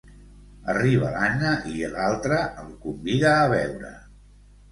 Arriba l'Anna, i l'altre el convida a beure.